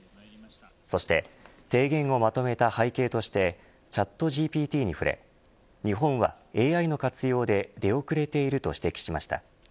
そして提言をまとめた背景としてＣｈａｔＧＰＴに触れ日本はＡＩの活用で出遅れていると指摘しました。